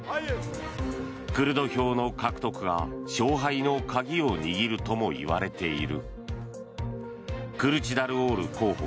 クルド票の獲得が、勝敗の鍵を握るともいわれている。